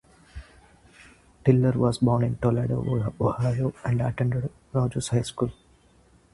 Tiller was born in Toledo, Ohio, and attended Rogers High School.